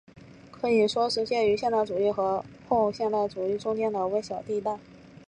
可以说是介于现代主义和后现代主义中间的微小地带。